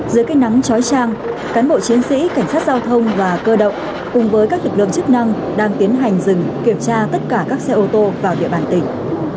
dưới cây nắng trói trang cán bộ chiến sĩ cảnh sát giao thông và cơ động cùng với các lực lượng chức năng đang tiến hành dừng kiểm tra tất cả các xe ô tô vào địa bàn tỉnh